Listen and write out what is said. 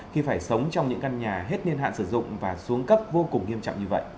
khi phải sống trong những căn nhà hết niên hạn sử dụng và xuống cấp vô cùng nghiêm trọng như vậy